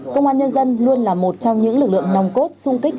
công an nhân dân luôn là một trong những lực lượng nòng cốt sung kích